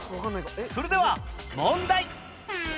それでは問題